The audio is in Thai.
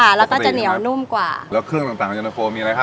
แล้วก็จะเหนียวนุ่มกว่าแล้วเครื่องต่างต่างเย็นตะโฟมีอะไรครับ